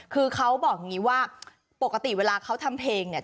คือเขาบอกอย่างนี้ว่าปกติเวลาเขาทำเพลงเนี่ย